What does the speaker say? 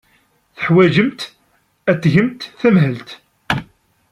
Teḥwajemt ad tgemt tamhelt.